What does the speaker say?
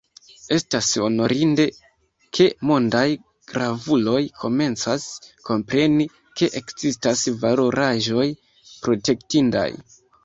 Estas honorinde, ke mondaj gravuloj komencas kompreni, ke ekzistas valoraĵoj protektindaj.